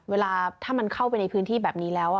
เวลาถ้ามันเข้าไปในพื้นที่แบบนี้แล้ว